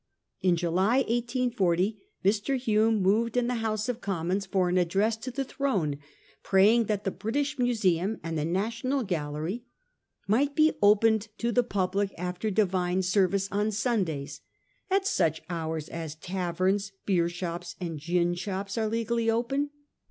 In July, 1840, Mr. Hume moved in the House of Commons for an address to the Throne praying that the British Museum and the National Gallery might be opened to the public after Divine service on Sundays, ' at such hours as taverns, beershops and ginshops are legally open.